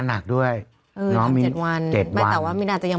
จากล้ามันไม่ได้บอกก่อน